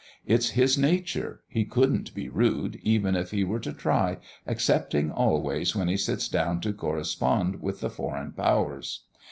It's his nature; he could'nt be rude, even if he were to try, excepting, always, when he sits down to correspond with the foreign powers.